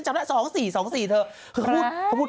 คือเขาพูด๐๔